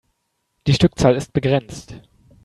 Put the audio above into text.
Die Stückzahl ist begrenzt.